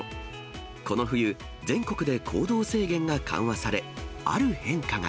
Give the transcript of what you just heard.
この冬、全国で行動制限が緩和され、ある変化が。